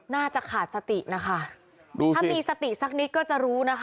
น่าจะขาดสตินะคะดูถ้ามีสติสักนิดก็จะรู้นะคะ